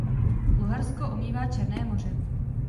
Bulharsko omývá Černé moře.